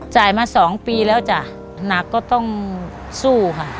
มา๒ปีแล้วจ้ะหนักก็ต้องสู้ค่ะ